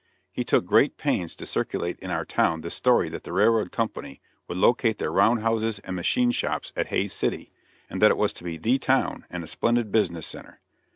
He took great pains to circulate in our town the story that the railroad company would locate their round houses and machine shops at Hays City, and that it was to be the town and a splendid business center.